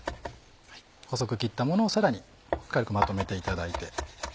細く切ったものをさらに軽くまとめていただいて。